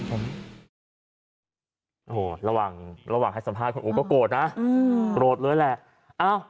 โอ้โหระหว่างให้สัมภาษณ์คุณอู๋ก็โกรธนะโกรธเลยแหละ